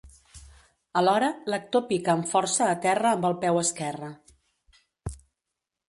Alhora, l'actor pica amb força a terra amb el peu esquerre.